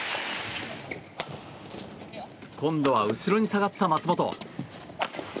今度は、後ろに下がった松本。